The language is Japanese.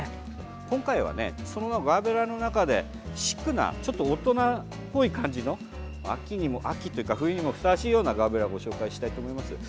今回はそんなガーベラの中でシックな大人っぽい感じの秋にも冬にもふさわしいようなガーベラをご紹介したいと思います。